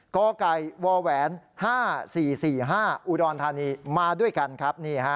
กกว๕๔๔๕อุดอนธานีมาด้วยกันครับ